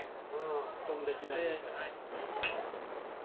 お友達なりましょう。